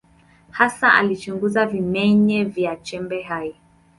Hasa alichunguza vimeng’enya vya chembe hai.